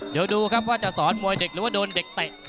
เดี๋ยวดูครับว่าจะสอนมวยเด็กหรือว่าโดนเด็กเตะ